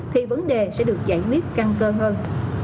thì vấn đề sẽ được giải quyết căng cơ hơn